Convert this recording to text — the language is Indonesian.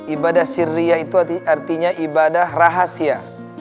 ibadah syria itu artinya ibadah rahasia